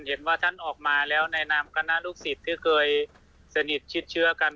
เห็นว่าท่านออกมาแล้วในนามคณะลูกศิษย์ที่เคยสนิทชิดเชื้อกัน